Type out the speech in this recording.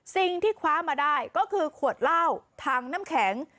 สิ่งที่คว้ามาได้ก็คือขวดเหล้าถังน้ำแข็ง